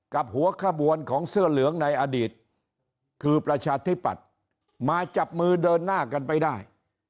หัวขบวนของเสื้อเหลืองในอดีตคือประชาธิปัตย์มาจับมือเดินหน้ากันไปได้